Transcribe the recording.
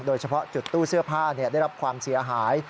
โดยเฉพาะจุดตู้เสื้อผ้าได้รับความเสียหาย